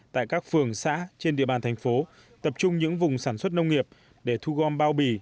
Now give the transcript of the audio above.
tại các phường xã trên địa bàn thành phố tập trung những vùng sản xuất nông nghiệp để thu gom bao bì